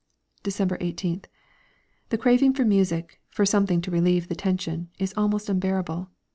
December 18th. The craving for music, for something to relieve the tension, is almost unbearable.